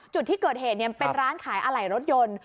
จุดที่เกิดเหตุเป็นร้านขายอะไหล่รถยนต์